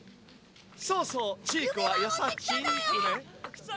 そうそうチークはやさちくね。